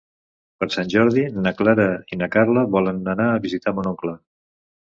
Per Sant Jordi na Clara i na Carla volen anar a visitar mon oncle.